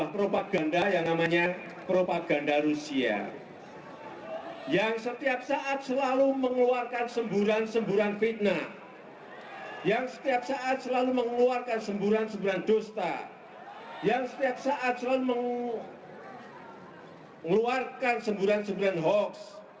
kita harus mengeluarkan semburan semburan hoax